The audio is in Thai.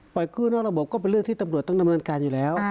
กู้นอกระบบก็เป็นเรื่องที่ตำรวจต้องดำเนินการอยู่แล้ว